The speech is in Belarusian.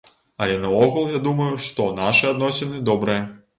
Але наогул я думаю, што нашы адносіны добрыя.